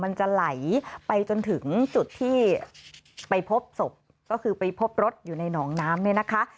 มันจะไหลไปจนถึงจุดที่ไปพบศพก็คือไปพบรถอยู่ในหนองน้ำเนี่ยนะคะ